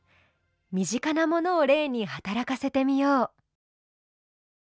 身近なものを例に働かせてみよう。